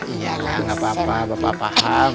iya lah gak apa apa bapak paham